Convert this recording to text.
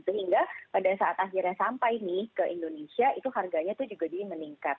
sehingga pada saat akhirnya sampai nih ke indonesia itu harganya tuh juga meningkat